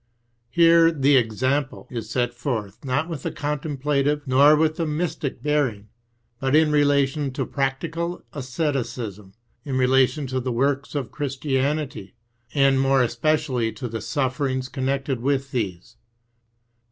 Here the Example is set forth not with a contemplative nor with a mystic bearing, but in relation to practical asceticism, in relation to the works of Christianity, and more especially to the sufferings connected with these.